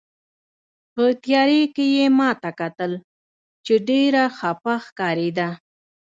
په تیارې کې یې ما ته کتل، چې ډېره خپه ښکارېده.